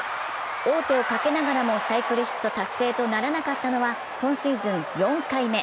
王手をかけながらもサイクルヒット達成とならなかったのは今シーズン４回目。